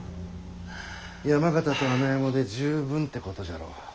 山県と穴山で十分ってことじゃろう。